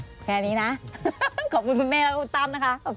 ก็แค่นี้นะขอบคุณคุณเม้และคุณตั๊ม